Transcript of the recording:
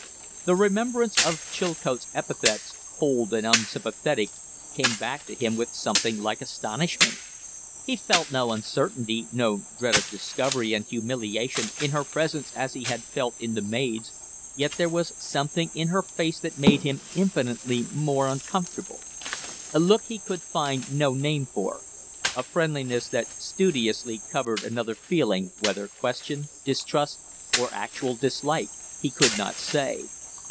The remembrance of Chilcote's epithets "cold" and "unsympathetic" came back to him with something like astonishment. He felt no uncertainty, no dread of discovery and humiliation in her presence as he had felt in the maid's; yet there was something in her face that made him infinitely more uncomfortable. A look he could find no name for a friendliness that studiously covered another feeling, whether question, distrust, or actual dislike he could not say.